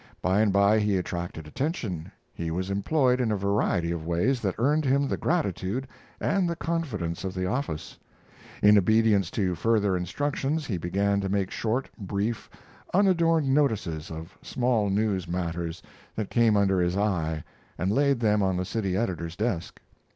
By and by he attracted attention. He was employed in a variety of ways that earned him the gratitude and the confidence of the office. In obedience to further instructions, he began to make short, brief, unadorned notices of small news matters that came under his eye and laid them on the city editor's desk.